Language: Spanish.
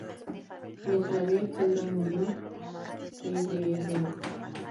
Letra: D. Pedro Muñoz, pbro.